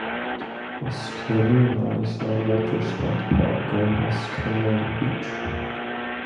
Ashkeluna is a water-slide park on Ashkelon beach.